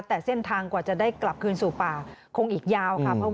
แต่เส้นทางกว่าจะได้กลับคืนสู่ป่าคงอีกยาวค่ะ